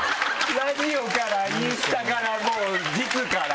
ラジオからインスタからもう実から。